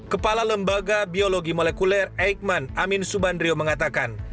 kepala lembaga biologi molekuler eikman amin subandrio mengatakan